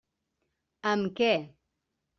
Amb què?